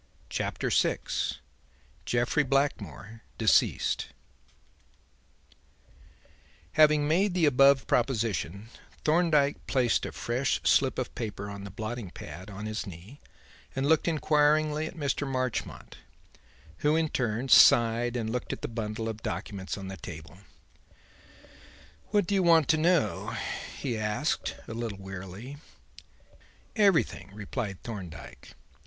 Chapter VI Jeffrey Blackmore, Deceased Having made the above proposition, Thorndyke placed a fresh slip of paper on the blotting pad on his knee and looked inquiringly at Mr. Marchmont; who, in his turn, sighed and looked at the bundle of documents on the table. "What do you want to know?" he asked a little wearily. "Everything," replied Thorndyke.